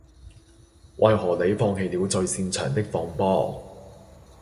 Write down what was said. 為何你放棄了最擅長的放波